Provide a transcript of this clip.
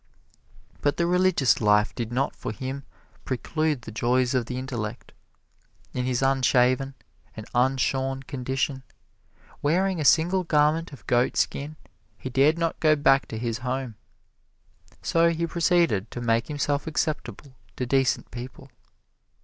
But the religious life did not for him preclude the joys of the intellect. In his unshaven and unshorn condition, wearing a single garment of goatskin, he dared not go back to his home. So he proceeded to make himself acceptable to decent people.